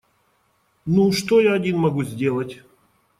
Ну, что я один могу сделать?